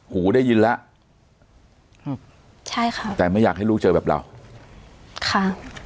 หูได้ยินแล้วอืมใช่ค่ะแต่ไม่อยากให้ลูกเจอแบบเราค่ะ